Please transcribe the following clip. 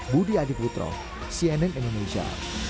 budi adiputro cnn indonesia